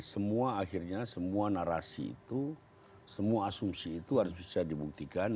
semua akhirnya semua narasi itu semua asumsi itu harus bisa dibuktikan